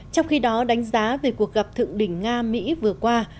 trong khi đó đánh giá về cuộc gặp thượng đỉnh nga mỹ vừa qua